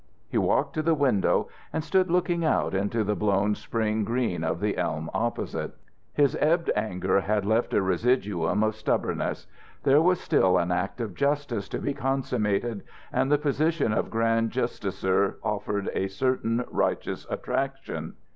He walked to the window and stood looking out into the blown spring green of the elm opposite. His ebbed anger had left a residuum of stubbornness. There was still an act of justice to be consummated and the position of grand justicer offered a certain righteous attraction.